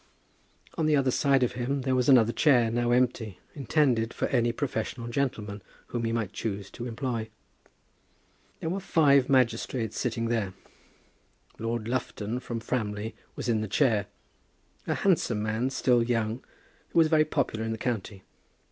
On the other side of him there was another chair, now empty, intended for any professional gentleman whom he might choose to employ. There were five magistrates sitting there. Lord Lufton, from Framley, was in the chair; a handsome man, still young, who was very popular in the county.